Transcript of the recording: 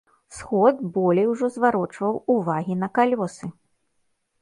Сход болей ужо зварочваў ўвагі на калёсы.